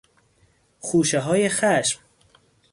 خوشههای خشم